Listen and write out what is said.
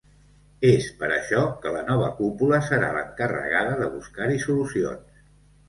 És per això que la nova cúpula serà l’encarregada de buscar-hi solucions.